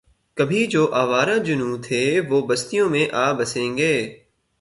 کبھی جو آوارۂ جنوں تھے وہ بستیوں میں آ بسیں گے